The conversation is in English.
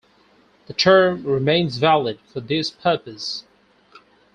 The term remains valid for this purpose.